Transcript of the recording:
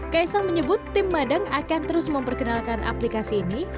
kaisang menyebut tim madang akan terus memperkenalkan aplikasi ini